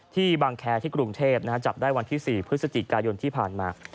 บางแคร์ที่กรุงเทพจับได้วันที่๔พฤศจิกายนที่ผ่านมา